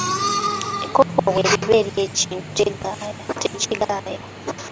Enkoko bw’eba erya ekintu tekigaaya.